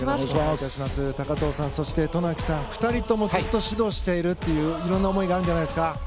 高藤さんそして渡名喜さん２人ともずっと指導しているという色んな思いがあるんじゃないですか。